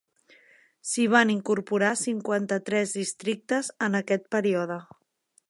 S'hi van incorporar cinquanta-tres districtes en aquest període.